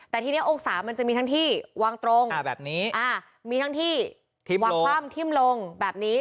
แต่ทีนี้องศามันจะมีทั้งที่วางตรงมีทั้งที่วางคว่ำทิ่มลงแบบนี้